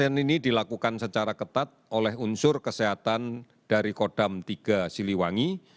penyelesai ini dilakukan secara ketat oleh unsur kesehatan dari kodam tiga siliwangi